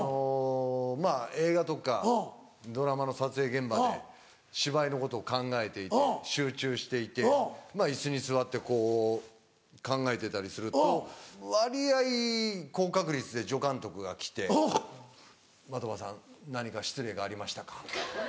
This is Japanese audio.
まぁ映画とかドラマの撮影現場で芝居のことを考えていて集中していて椅子に座ってこう考えてたりすると割合高確率で助監督が来て「的場さん何か失礼がありましたか？」。